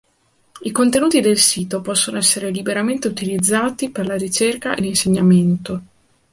I contenuti del sito possono essere liberamente utilizzati per la ricerca e l'insegnamento.